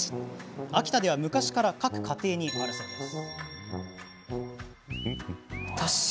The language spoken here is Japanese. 秋田では昔から各家庭にあるそうです。